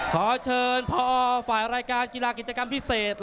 ขอเชิญพอฝ่ายรายการกีฬากิจกรรมพิเศษ